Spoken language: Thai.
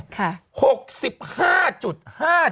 ค่ะ